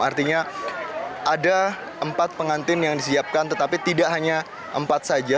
artinya ada empat pengantin yang disiapkan tetapi tidak hanya empat saja